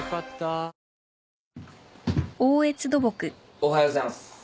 おはようございます。